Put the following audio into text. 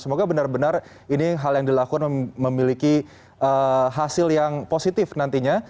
semoga benar benar ini hal yang dilakukan memiliki hasil yang positif nantinya